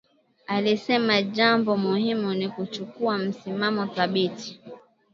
Alisema jambo muhimu ni kuchukua msimamo thabiti